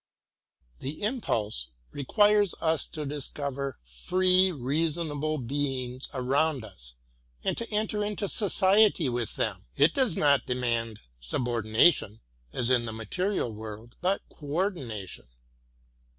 The impulse requires us to discover free reasonable beings around us, and to enter into Society with them ; it does not demand subor dination as in the material world, but co ordination.